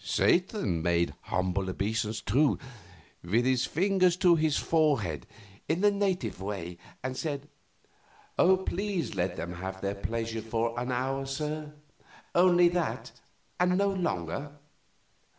Satan made humble obeisance, too, with his fingers to his forehead, in the native way, and said: "Please let them have their pleasure for an hour, sir only that, and no longer.